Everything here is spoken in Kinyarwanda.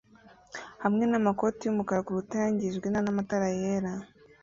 hamwe namakoti yumukara kurukuta yangijwe nana matara yera